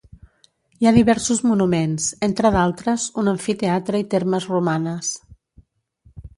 Hi ha diversos monuments, entre d'altres un amfiteatre i termes romanes.